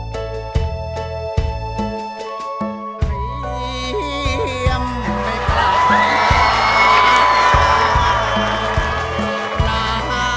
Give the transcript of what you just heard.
ขอเสียงนะ